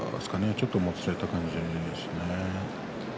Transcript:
ちょっと、もつれた感じですね。